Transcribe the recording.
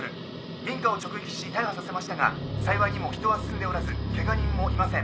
民家を直撃し大破させましたが幸いにも人は住んでおらずけが人もいません。